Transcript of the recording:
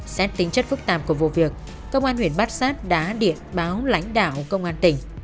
xét tính chất phức tạp của vụ việc công an huyện bát sát đã điện báo lãnh đạo công an tỉnh